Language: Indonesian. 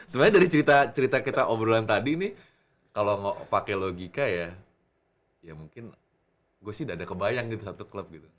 sebenarnya dari cerita cerita kita obrolan tadi nih kalau pakai logika ya ya mungkin gue sih dada kebayang gitu satu klub gitu